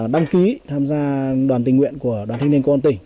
đăng ký tham gia đoàn tình nguyện của đoàn thanh niên công an tỉnh